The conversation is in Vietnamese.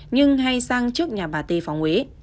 nhưng hay sang trước nhà bà t phóng uế